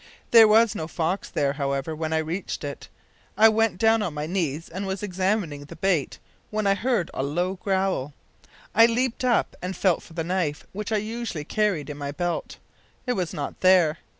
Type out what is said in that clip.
There was no fox there, however, when I reached it. I went down on my knees and was examining the bait, when I heard a low growl. I leaped up, and felt for the knife which I usually carried in my belt. It was not there!